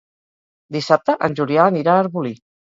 Dissabte en Julià anirà a Arbolí.